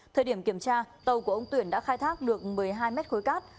thời điểm kiểm tra tàu của ông tuyển đã khai thác được một mươi hai mét khối cát